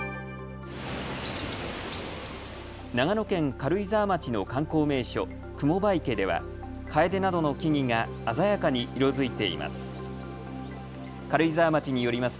長野県軽井沢町の観光名所、雲場池ではカエデなどの木々が鮮やかに色づいています。